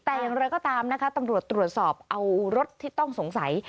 แต่อย่างไรก็ตามนะคะตำรวจตรวจสอบเอารถที่ต้องสงสัย